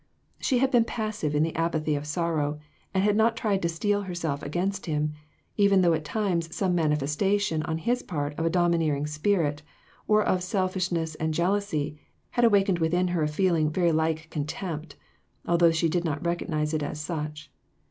She had been passive in the apathy of sorrow, and had not tried to steel herself against him ; even though at times some manifestation on his part of a domineering spirit, or of selfish ness and jealousy had awakened within her a feel ing very like contempt, although she did not recognize it as such.